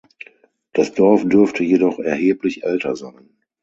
Das Dorf dürfte jedoch erheblich älter sein.